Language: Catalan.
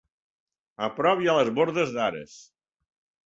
A prop hi ha les bordes d'Ares.